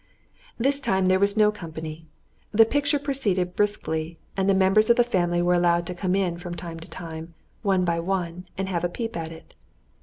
This time there was no company. The picture proceeded briskly, and the members of the family were allowed to come in from time to time, one by one, and have a peep at it.